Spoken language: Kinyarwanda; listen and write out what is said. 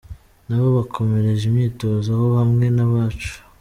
Nabo bakomereje imyitozo aho hamwe n’abacu.